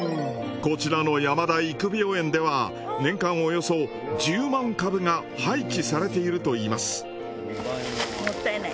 こちらの山田育苗園では年間およそ１０万株が廃棄されているといいます。